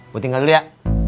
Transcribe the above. gue tinggal dulu ya